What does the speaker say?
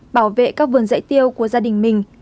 bảo vệ các vườn dạy tiêu của gia đình mình